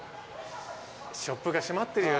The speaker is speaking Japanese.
ショップが閉まってるよ。